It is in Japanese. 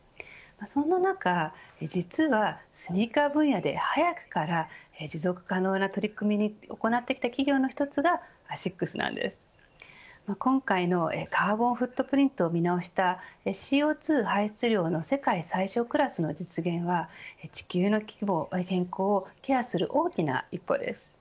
そんな中実はスニーカー分野で早くから持続可能な取り組みを行ってきた企業の１つが今回のカーボンフットプリントを見直したＣＯ２排出量の世界最少クラスの実現は地球の希望、変更をケアする大きな一歩です。